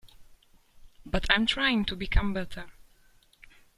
But I'm trying to become better.